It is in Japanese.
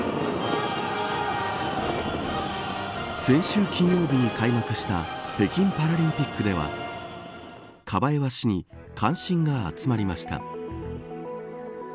先週金曜日に開幕した北京パラリンピックではカバエワ氏に関心が集まりました。